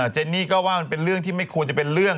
เจนนี่ก็ว่ามันเป็นเรื่องที่ไม่ควรจะเป็นเรื่อง